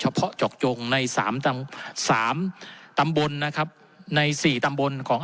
เพาะเจาะจงในสามตำสามตำบลนะครับในสี่ตำบลของ